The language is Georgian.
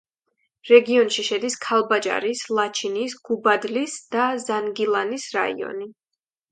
რეგიონში შედის: ქალბაჯარის, ლაჩინის, გუბადლის და ზანგილანის რაიონი.